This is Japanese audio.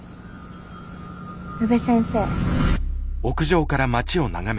宇部先生。